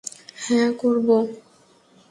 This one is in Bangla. হ্যাঁ, করবো।